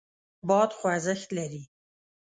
باد خوځښت لري.